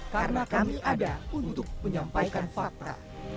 karena kami ada untuk menyampaikan fakta